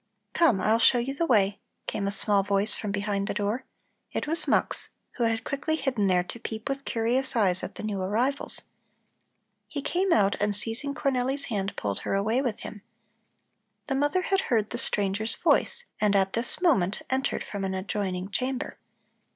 "Come, I'll show you the way," came a small voice from behind the door. It was Mux, who had quickly hidden there to peep with curious eyes at the new arrivals. He came out and seizing Cornelli's hand, pulled her away with him. The mother had heard the stranger's voice and at this moment entered from an adjoining chamber.